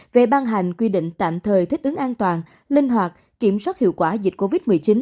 về ban hành quy định tạm thời thích ứng an toàn linh hoạt kiểm soát hiệu quả dịch covid một mươi chín